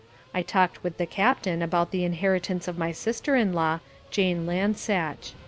I talked with the captain about the inheritance of my sister in law, Jane Lansache.